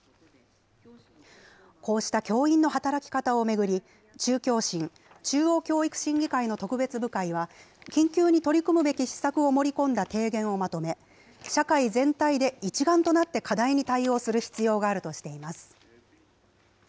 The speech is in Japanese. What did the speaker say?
こうした教員の働き方を巡り、中教審・中央教育審議会の特別部会は、緊急に取り組むべき施策を盛り込んだ提言をまとめ、社会全体で一丸となって課題に対応する必要があるとしています。